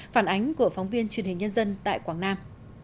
phản ánh của phóng viên truyền hình nhân dân tại quảng nam